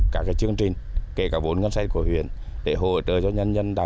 các chương trình kể cả vốn ngân sách của huyện